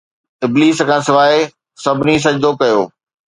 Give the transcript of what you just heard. ابليس کان سواءِ سڀني سجدو ڪيو